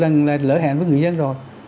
bảy tám hai mươi lần là lỡ hẹn với người dân rồi